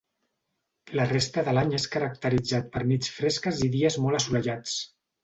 La resta de l'any és caracteritzat per nits fresques i dies molt assolellats.